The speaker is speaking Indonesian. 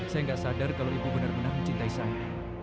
saya nggak sadar kalau ibu benar benar mencintai saya